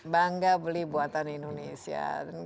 bangga beli buatan indonesia